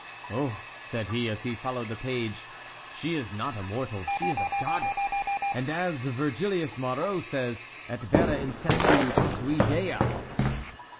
"Oh," said he, as he followed the page, "she is not a mortal—she is a goddess, and as Vergilius Maro says: 'Et vera incessu patuit dea.'"